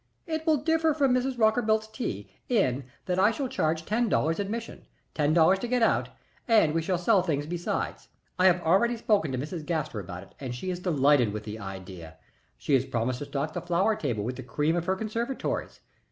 It will differ from Mrs. Rockerbilt's tea in that I shall charge ten dollars admission, ten dollars to get out, and we shall sell things besides. I have already spoken to Mrs. Gaster about it and she is delighted with the idea. She has promised to stock the flower table with the cream of her conservatories.